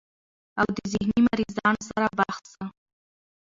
او د ذهني مريضانو سره بحث